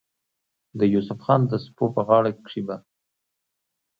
د يوسف خان د سپو پۀ غاړه کښې به